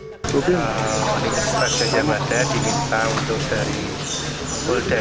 mobil modifikasi gajah mada diminta untuk dari bulda